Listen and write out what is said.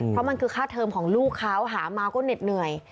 เพราะมันคือค่าเทอมของลูกเขาหามาก็เหน็ดเหนื่อย